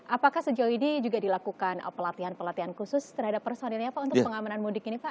apakah sejauh ini juga dilakukan pelatihan pelatihan khusus terhadap personilnya pak untuk pengamanan mudik ini pak